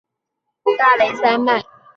境内有天台山脉与大雷山脉。